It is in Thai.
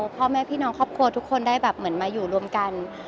พ่อแม่พี่น้องครอบครัวทุกคนได้มาอยู่รวมกัน